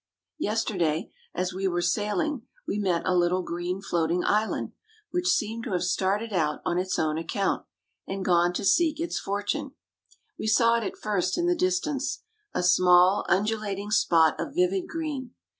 Yesterday, as we were sailing, we met a little green, floating island, which seemed to have started out on its own account, and gone to seek its fortune. We saw it at first in the distance, a small, undulating spot of vivid green.